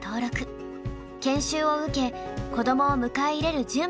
研修を受け子どもを迎え入れる準備を進めました。